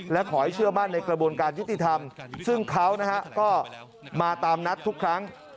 และขอให้เชื่อมั่นในกระบวนการยุติธรรมซึ่งเขาก็มาตามนัดทุกครั้ง